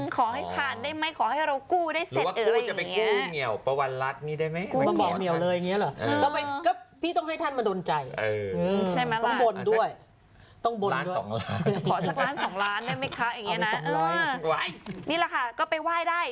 ขอให้ผ่านได้ไหมขอให้เรากู้ได้เสร็จหรือว่ากู้จะไปกู้เหนียวประวันรัฐมีได้ไหม